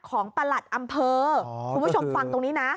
ประหลัดอำเภอคุณผู้ชมฟังตรงนี้นะ